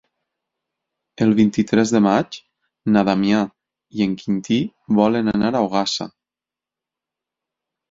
El vint-i-tres de maig na Damià i en Quintí volen anar a Ogassa.